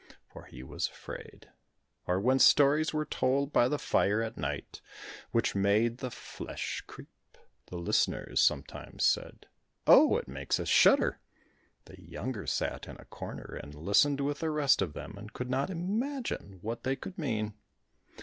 for he was afraid. Or when stories were told by the fire at night which made the flesh creep, the listeners sometimes said "Oh, it makes us shudder!" The younger sat in a corner and listened with the rest of them, and could not imagine what they could mean.